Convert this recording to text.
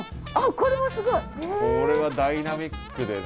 これはダイナミックでね。